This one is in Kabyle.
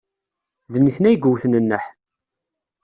D nitni ay iwten nneḥ.